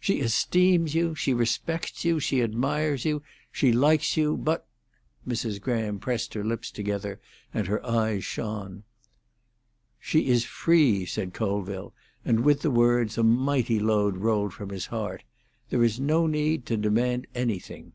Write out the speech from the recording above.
She esteems you, she respects you, she admires you, she likes you; but—" Mrs. Graham pressed her lips together, and her eyes shone. "She is free," said Colville, and with the words a mighty load rolled from his heart. "There is no need to demand anything."